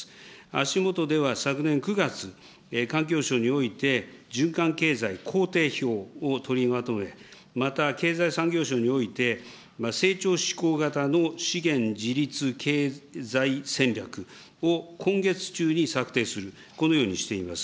足元では昨年９月、環境省において循環経済工程表を取りまとめ、また経済産業省において、成長志向型の資源自立経済戦略を今月中に策定する、このようにしています。